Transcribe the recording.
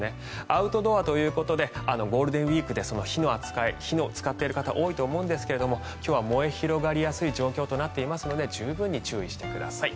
アウトドアということでゴールデンウィークで火を使っている方が多いと思うんですが今日は燃え広がりやすい状況となっていますので十分に注意してください。